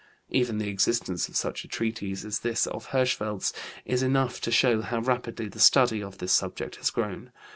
Even the existence of such a treatise as this of Hirschfeld's is enough to show how rapidly the study of this subject has grown.